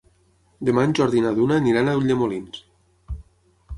Demà en Jordi i na Duna aniran a Ulldemolins.